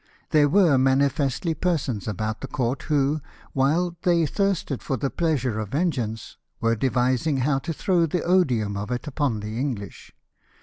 There were manifestly persons about the court who, while they thirsted for the pleasure of vengeance, were devising how to throw the odium of it upon the English.